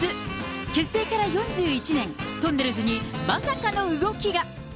結成から４１年、とんねるずにまさかの動きが。